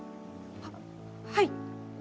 はっはい。